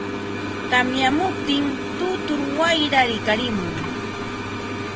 tamyamuptin tutur wayraa rikarimun.